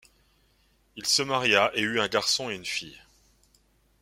Il se maria et eut un garçon et une fille.